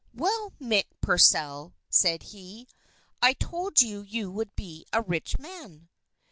"Well, Mick Purcell," said he, "I told you that you would be a rich man!"